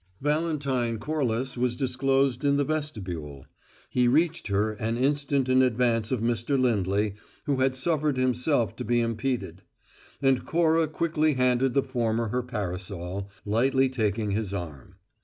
Valentine Corliss was disclosed in the vestibule. He reached her an instant in advance of Mr. Lindley, who had suffered himself to be impeded; and Cora quickly handed the former her parasol, lightly taking his arm.